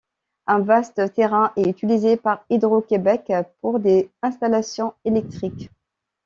Un vaste terrain est utilisé par Hydro-Québec pour des installations électriques.